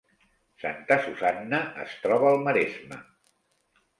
Santa Susanna es troba al Maresme